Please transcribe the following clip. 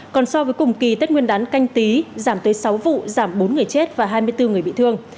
còn so với cùng kỳ tết nguyên đán canh tí giảm tới sáu vụ giảm bốn người chết và hai mươi bốn người bị thương